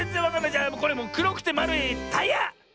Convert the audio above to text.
じゃもうくろくてまるいタイヤ！